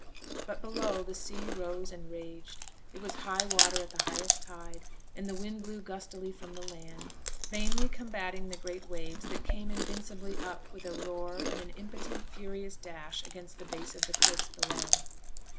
But, below, the sea rose and raged; it was high water at the highest tide, and the wind blew gustily from the land, vainly combating the great waves that came invincibly up with a roar and an impotent furious dash against the base of the cliffs below.